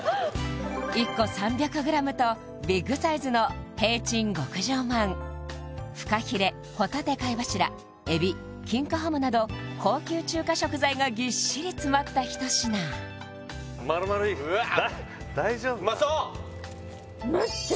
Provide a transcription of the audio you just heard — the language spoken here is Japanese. １個３００ｇとビッグサイズの聘珍極上饅フカヒレホタテ貝柱エビ金華ハムなど高級中華食材がぎっしり詰まった一品まるまるうわ大丈夫なの？